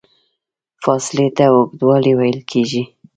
فاصلې ته اوږدوالی ویل کېږي.